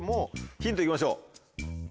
ヒント行きましょう。